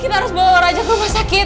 kita harus bawa raja ke rumah sakit